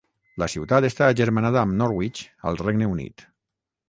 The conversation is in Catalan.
La ciutat està agermanada amb Norwich al Regne Unit.